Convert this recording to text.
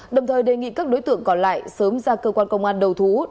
đồng thời đề nghị các đối tượng còn lại sớm ra cơ quan công an đầu thú